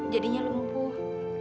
jadinya lo lupuh